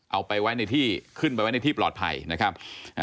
เอาไปไว้ในที่ขึ้นไปไว้ในที่ปลอดภัยนะครับ